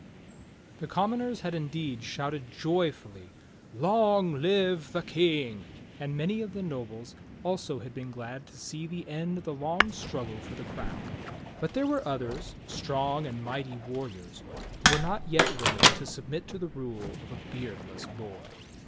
HE commoners had indeed shouted joyfully, "Long live the ^ J King!" and many of the nobles also had been glad to see the end of the long struggle for the crown; but there were others, strong and mighty warriors, who were not yet willing to submit to the rule of a "beardless boy."